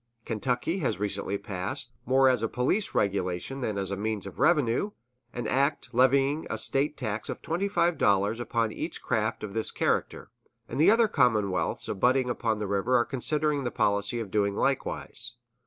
Kentucky has recently passed, more as a police regulation than as a means of revenue, an act levying a State tax of twenty five dollars upon each craft of this character; and the other commonwealths abutting upon the river are considering the policy of doing likewise.